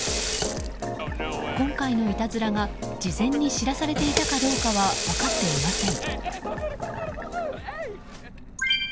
今回のいたずらが事前に知らされていたかどうかは分かっていません。